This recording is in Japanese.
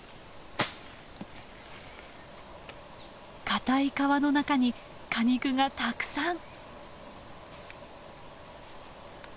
堅い皮の中に果肉がたくさん。